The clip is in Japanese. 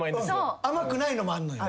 甘くないのもあんのよ。